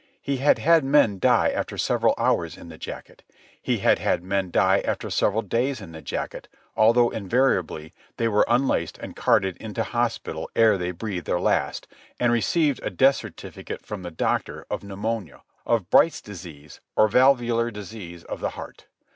He had had men die after several hours in the jacket. He had had men die after several days in the jacket, although, invariably, they were unlaced and carted into hospital ere they breathed their last ... and received a death certificate from the doctor of pneumonia, or Bright's disease, or valvular disease of the heart.